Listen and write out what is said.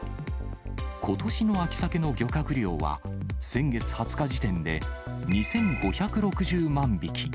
ことしの秋サケの漁獲量は、先月２０日時点で２５６０万匹。